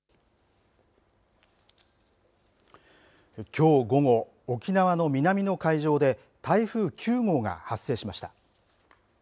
きょう午後沖縄の南の海上で台風９号が発生しました。